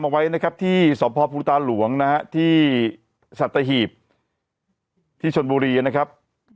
เอาไว้นะครับที่สอบภพุทธาหลวงนะที่สตถิบที่ชนโบรีอ่ะครับ